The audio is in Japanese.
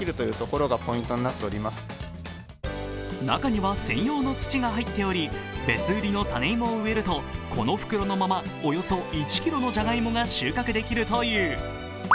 中には専用の土が入っており別売りの種芋を植えると、この袋のままおよそ１ｋｇのじゃがいもが収穫できるという。